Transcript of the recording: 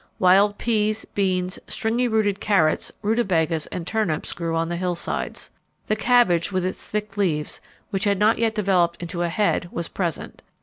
Wild peas, beans, stringy rooted carrots, ruta bagas, and turnips grew on the hillsides. The cabbage with its thick leaves, which had not yet developed into a head, was present.